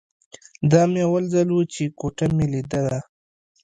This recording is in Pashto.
دا مې اول ځل و چې کوټه مې ليدله.